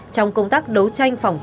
trong công tác đấu tranh phòng chống dịch